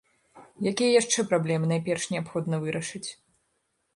Якія яшчэ праблемы найперш неабходна вырашыць?